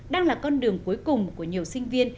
đang là con đường cuối cùng của nhiều sinh viên